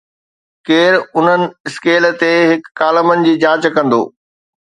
ڪير انهن اسڪيل تي هڪ ڪالمن جي جانچ ڪندو